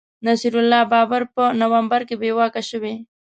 نصیر الله بابر په نومبر کي بې واکه شوی